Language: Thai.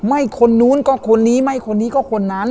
ไม่คนนู้นก็คนนี้ไม่คนนี้ก็คนนั้น